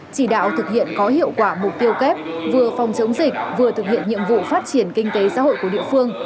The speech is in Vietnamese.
chỉ đạo thực hiện có hiệu quả mục tiêu kép vừa phòng chống dịch vừa thực hiện nhiệm vụ phát triển kinh tế xã hội của địa phương